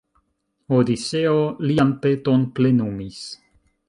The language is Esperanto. Odiseo lian peton plenumis.